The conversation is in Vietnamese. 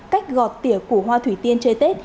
cách gọt tỉa củ hoa thủy tiên chơi tết